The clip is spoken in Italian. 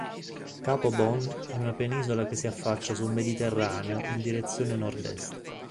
Capo Bon è una penisola che si affaccia sul Mediterraneo in direzione nord-est.